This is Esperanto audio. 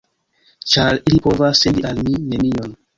Ĉar ili povas sendi al mi nenion.